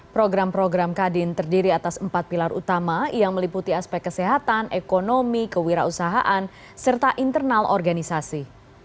program program kadin terdiri atas empat pilar utama yang meliputi aspek kesehatan ekonomi kewirausahaan serta internal organisasi